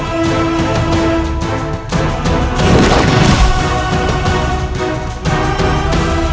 terima kasih nimas